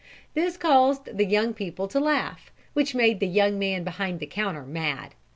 This caused the young people to laugh, which made the young man behind the counter mad.